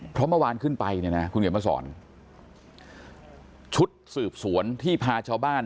เพราะเมื่อวานขึ้นไปเนี่ยนะคุณเขียนมาสอนชุดสืบสวนที่พาชาวบ้าน